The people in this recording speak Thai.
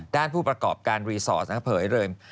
ผู้ประกอบการรีสอร์ทเผยเลย